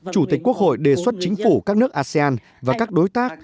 chủ tịch quốc hội đề xuất chính phủ các nước asean và các đối tác